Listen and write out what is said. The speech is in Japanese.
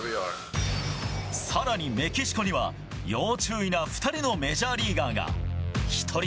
さらにメキシコには、要注意な２人のメジャーリーガーが。